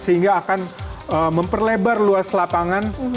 sehingga akan memperlebar luas lapangan